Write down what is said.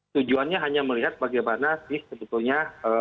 tujuannya hanya melihat bagaimana sih sebetulnya